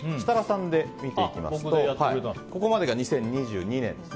設楽さんで見ていきますとここまでが２０２２年。